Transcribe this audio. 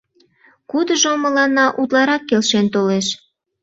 Кудыжо мыланна утларак келшен толеш?